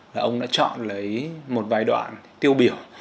và ông đã chọn lấy một vài đoạn tiêu biểu